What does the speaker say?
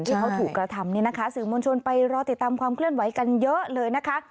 ที่เขาถูกกระทำเนี่ยนะคะสื่อมวลชนไปรอติดตามความเคลื่อนไหวกันเยอะเลยนะคะ